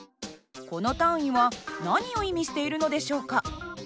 この単位は何を意味しているのでしょうか？